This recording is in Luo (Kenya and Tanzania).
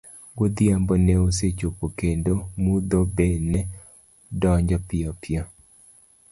Godhiambo ne osechopo kendo mudho be ne donjo piyopiyo.